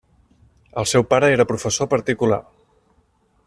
El seu pare era professor particular.